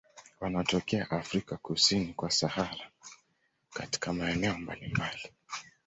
Wanatokea Afrika kusini kwa Sahara katika maeneo mbalimbali.